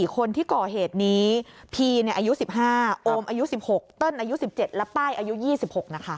คนที่ก่อเหตุนี้พีอายุ๑๕โอมอายุ๑๖เติ้ลอายุ๑๗และป้ายอายุ๒๖นะคะ